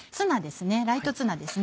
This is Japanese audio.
ライトツナですね。